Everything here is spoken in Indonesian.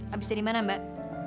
abis dari mana mbak